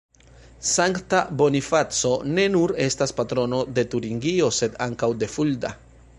Sankta Bonifaco ne nur estas patrono de Turingio sed ankaŭ de Fulda.